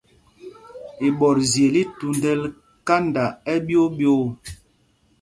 Iɓɔtzyel i thúndɛl kanda ɛɓyoo ɓyoo.